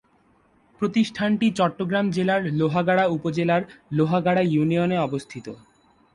প্রতিষ্ঠানটি চট্টগ্রাম জেলার লোহাগাড়া উপজেলার লোহাগাড়া ইউনিয়নে অবস্থিত।